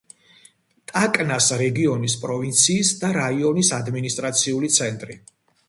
ტაკნას რეგიონის, პროვინციის და რაიონის ადმინისტრაციული ცენტრი.